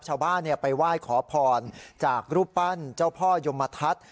ชาวบ้านไปไหว้ขอพรจากรูปปั้นเจ้าพ่อยมทัศน์